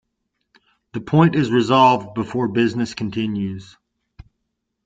The point is resolved before business continues.